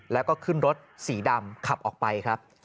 แล้วก็ขึ้นรถสีดำขับออกไปครับ